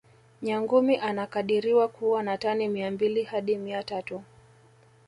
nyangumi anakadiriwa kuwa na tani mia mbili hadi mia tatu